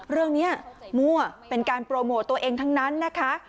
เรื่องนี้มั่วเป็นการโปรโมทตัวเองทั้งนั้นนะคะ